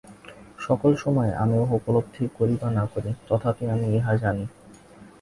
সকল সময়ে আমি ইহা উপলব্ধি করি বা না করি, তথাপি আমি ইহা জানি।